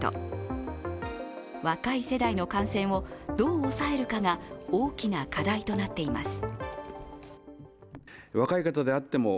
若い世代の感染をどう抑えるかが大きな課題となっています。